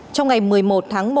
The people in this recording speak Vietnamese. trong ngày một mươi một tháng một